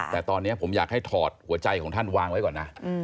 แต่ตอนนี้ผมอยากให้ถอดหัวใจของท่านวางไว้ก่อนนะ